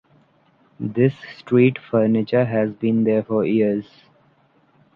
This street furniture has been there for years.